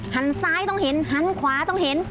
หันซ้ายต้องเห็นหันขวาต้องเห็น